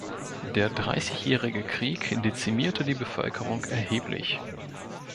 Der Dreißigjährige Krieg dezimierte die Bevölkerung erheblich.